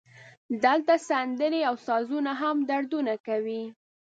دلته سندرې او سازونه هم دردونه کوي